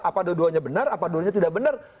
apa dua duanya benar apa duanya tidak benar